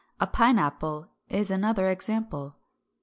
A pine apple is another example.